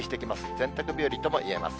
洗濯日和ともいえます。